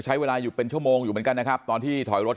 ใช้เวลาอยู่เป็นชั่วโมงอยู่เหมือนกันนะครับตอนที่ถอยรถ